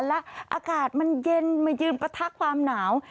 แล้วอากาศมันเย็นมายืนประทักความหนาว